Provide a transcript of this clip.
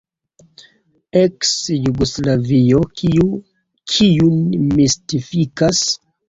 Eks-Jugoslavio: kiu kiun mistifikas?